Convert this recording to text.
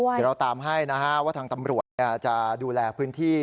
เดี๋ยวเราตามให้นะฮะว่าทางตำรวจจะดูแลพื้นที่